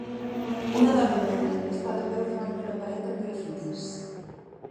Una dona bruna està de peu davant d'una paret amb graffitis